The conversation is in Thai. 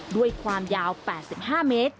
ด้วยความยาว๘๕เมตร